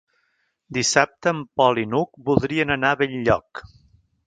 Dissabte en Pol i n'Hug voldrien anar a Benlloc.